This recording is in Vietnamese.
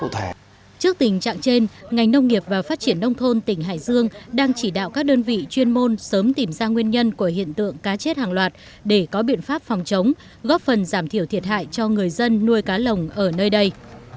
trước tình trạng trên ngành nông nghiệp và phát triển nông thôn tỉnh hải dương đang chỉ đạo các đơn vị chuyên môn sớm tìm ra nguyên nhân của hiện tượng cá chết hàng loạt để có biện pháp phòng chống góp phần giảm thiểu thiệt hại cho người dân nuôi cá lồng ở nơi đây